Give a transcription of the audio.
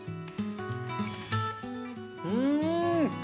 うん！